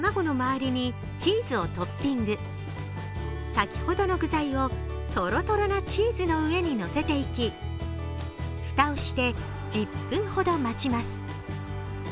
先ほどの具材を、トロトロなチーズの上にのせていきふたをして１０分ほど待ちます。